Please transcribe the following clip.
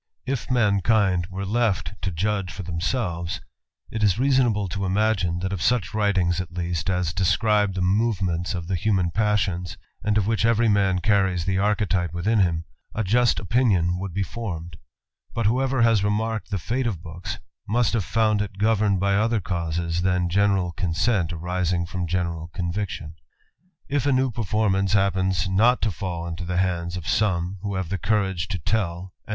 If mankind were left to judge for themselves, it is reasonable to imagine, that of such Stings, at least, as describe the movements of the human passions, and of which every man carries the archetype ^wthin him, a just opinion would be formed ; but whoever has remarked the fate of books, must have found it I Rovemed by other causes, than general consent arising from ■ general conviction. If a new performance happens not to B Ul into the hands of some who have courage to tell, and I 272 THE ADVENTURER.